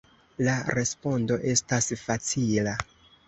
La respondo estas facila.